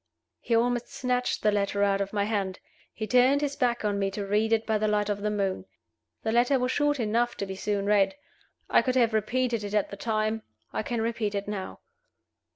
He almost snatched the letter out of my hand; he turned his back on me to read it by the light of the moon. The letter was short enough to be soon read. I could have repeated it at the time. I can repeat it now.